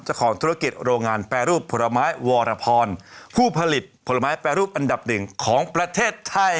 เจ้าของธุรกิจโรงงานแปรรูปผลไม้วรพรผู้ผลิตผลไม้แปรรูปอันดับหนึ่งของประเทศไทย